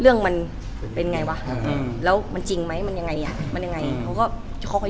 เหมือนนางก็เริ่มรู้แล้วเหมือนนางก็โทรมาเหมือนนางก็เริ่มรู้แล้ว